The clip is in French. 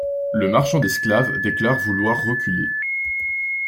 Le marchand d'esclaves déclare vouloir reculer.